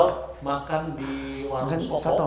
kalau makan di warung soto